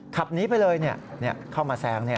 ขับหนีไปเลยเข้ามาแซง